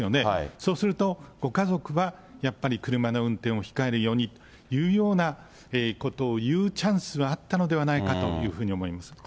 そうすると、ご家族はやっぱり車の運転を控えるようにというようなことを言うチャンスはあったのではないかというふうに思います。